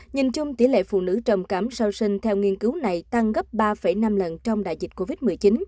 nhìn chung tỷ lệ phụ nữ trầm cảm sau sinh theo nghiên cứu này tăng gấp ba năm lần trong đại dịch covid một mươi chín